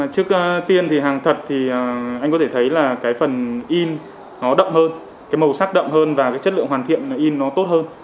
trước tiên thì hàng thật thì anh có thể thấy là cái phần in nó đậm hơn cái màu sắc đậm hơn và cái chất lượng hoàn thiện in nó tốt hơn